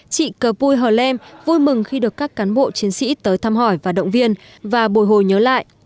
chị cờ pui hờ lem vui mừng khi được các cán bộ chiến sĩ tới thăm hỏi và động viên và bồi hồi nhớ lại